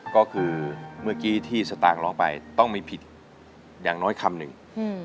ก็คือเมื่อกี้ที่สตางค์ร้องไปต้องมีผิดอย่างน้อยคำหนึ่ง